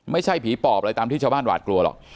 ไม่ใช่ผีปอบอะไรตามที่ชาวบ้านหวาดกลัวหรอก